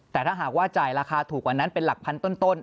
แต่ถ้าหากว่าจ่ายราคาถูกกว่านั้นเป็นหลักพันต้น